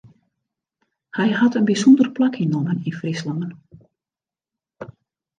Hy hat in bysûnder plak ynnommen yn Fryslân.